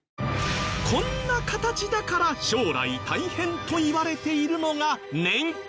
こんな形だから将来大変といわれているのが年金。